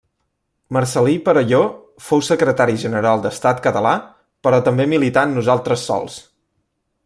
Marcel·lí Perelló fou secretari general d'Estat Català, però també milità en Nosaltres Sols!